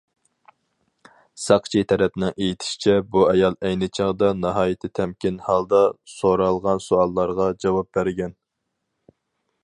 ساقچى تەرەپنىڭ ئېيتىشىچە، بۇ ئايال ئەينى چاغدا ناھايىتى تەمكىن ھالدا سورالغان سوئاللارغا جاۋاب بەرگەن.